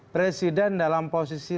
presiden dalam posisi